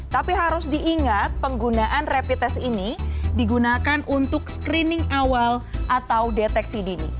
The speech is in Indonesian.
tapi harus diingat penggunaan rapid test ini digunakan untuk screening awal atau deteksi dini